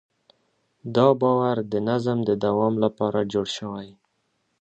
دا باور د نظم د دوام لپاره جوړ شوی.